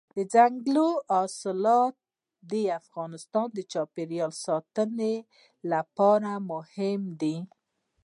دځنګل حاصلات د افغانستان د چاپیریال ساتنې لپاره مهم دي.